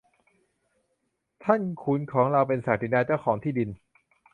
ท่านขุนของเราเป็นศักดินาเจ้าของที่ดิน